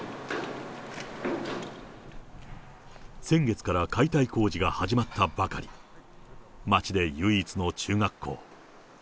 先月から解体工事が始まったばかり、町で唯一の中学校。